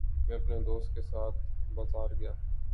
میں اپنے دوست کے ساتھ بازار گیا